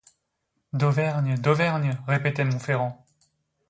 Dauvergne, Dauvergne, répétait Monferrand.